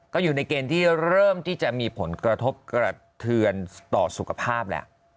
ก็อยู่ในเกณฑ์ที่เริ่มที่จะมีผลกระทบกระเทือนต่อสุขภาพแล้ว